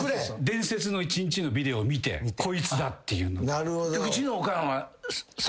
伝説の一日のビデオを見てこいつだっていうので。